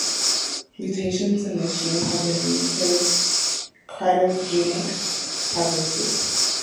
Mutations in this gene have been linked to cryptogenic cirrhosis.